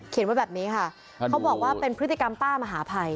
ไว้แบบนี้ค่ะเขาบอกว่าเป็นพฤติกรรมป้ามหาภัย